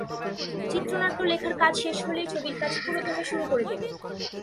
চিত্রনাট্য লেখার কাজ শেষ হলেই ছবির কাজ পুরোদমে শুরু করে দেব।